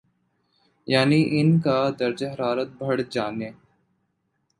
یعنی ان کا درجہ حرارت بڑھ جانے